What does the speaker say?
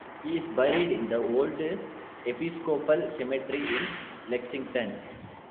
He is buried in the Old Episcopal Cemetery in Lexington.